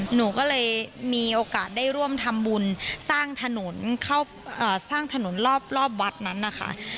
หนูก็เลยมีโอกาสได้ร่วมทำบุญสร้างถนนรอบวัดนั้นค่ะ